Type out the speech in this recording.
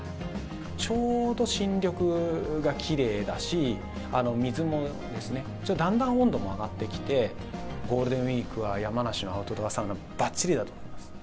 ちょうど新緑がきれいだし、水もちょっとだんだん温度も上がってきて、ゴールデンウィークは山梨のアウトドアサウナ、ばっちりだと思い